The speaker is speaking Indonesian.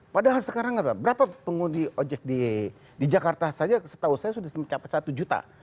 padahal sekarang berapa pengemudi objek di jakarta saja setahu saya sudah mencapai satu juta